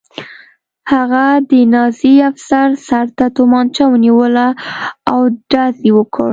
هغه د نازي افسر سر ته توپانچه ونیوله او ډز یې وکړ